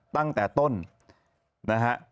ตั้งแต่ต้นนะฮะ